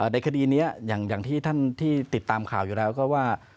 ในคดีนี้อย่างที่ท่านที่ติดตามข่าวอยู่แล้วก็ว่า